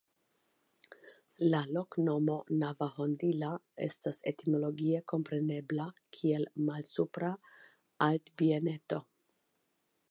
La loknomo "Navahondilla" estas etimologie komprenebla kiel "Malsupra Altbieneto".